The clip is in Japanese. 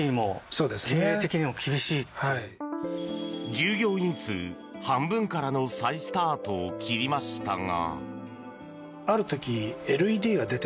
従業員数半分からの再スタートを切りましたが。